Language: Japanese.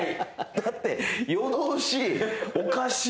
だって夜通しおかしいでしょ。